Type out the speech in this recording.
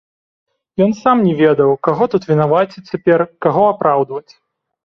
Ён сам не ведаў, каго тут вінаваціць цяпер, каго апраўдваць.